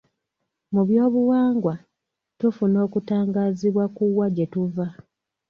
Mu byobuwangwa, tufuna okutangaazibwa ku wa gye tuva.